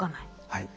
はい。